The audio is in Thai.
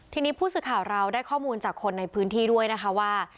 ทีนี้ผู้สื่อข่าวเราได้ข้อมูลจากคนในพื้นที่ด้วยนะคะว่า